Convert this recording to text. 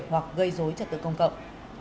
hoặc gây dối cho tự công cộng